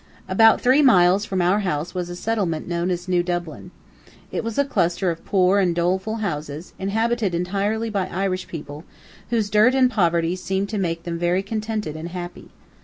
About three miles from our house was a settlement known as New Dublin. It was a cluster of poor and doleful houses, inhabited entirely by Irish people, whose dirt and poverty seemed to make them very contented and happy.